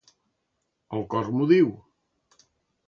El cor m'ho diu.